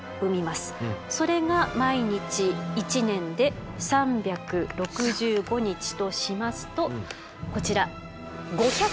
それが毎日１年で３６５日としますとこちら。